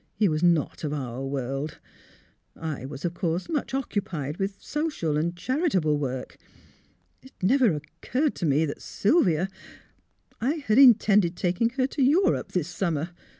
He was not of our world. I was, of course, much occupied with social and charitable work. It never occurred to me that Sylvia I had intended taking her to Europe this summer.